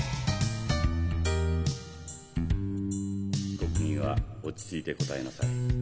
被告人は落ち着いて答えなさい。